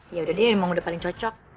yaudah deh emang udah paling cocok